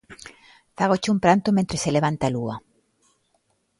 Fágoche un pranto mentres se levanta a lúa.